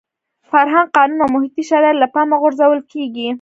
فرهنګ، قانون او محیطي شرایط له پامه غورځول کېږي.